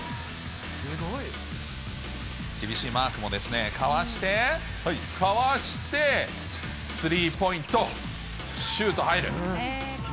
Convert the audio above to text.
厳しいマークもかわして、かわして、スリーポイントシュート、入る。